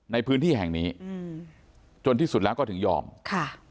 ในพื้นที่แห่งนี้อืมจนที่สุดแล้วก็ถึงยอมค่ะ